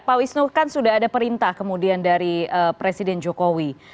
pak wisnu kan sudah ada perintah kemudian dari presiden jokowi